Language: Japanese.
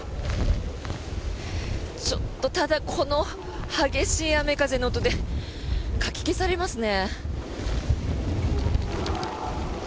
ちょっとただ、この激しい雨風の音でかき消されますね。